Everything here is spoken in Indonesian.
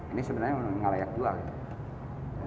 ini sebenarnya gak layak jual